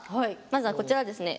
まずはこちらですね。